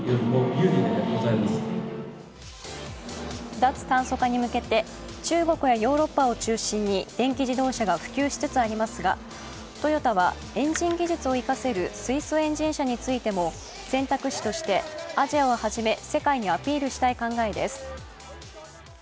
脱炭素化に向けて中国やヨーロッパを中心に電気自動車が普及しつつありますがトヨタはエンジン技術を生かせる水素エンジン車についても選択肢としてアジアをはじめ世界にアピールしたい考えです。